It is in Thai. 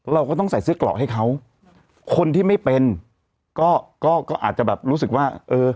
เราก็ต้องใส่เสื้อกรอกให้เขาคนที่ไม่เป็นก็ก็อาจจะแบบรู้สึกว่าเออ